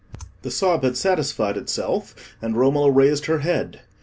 The sob had satisfied itself, and Romola raised her head.